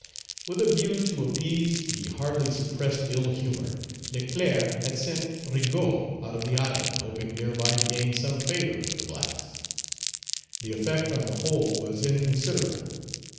With a view to appease the hardly suppressed ill humor, Leclerc had sent Rigaud out of the island, hoping thereby to gain some favor with the blacks. The effect on the whole was inconsiderable.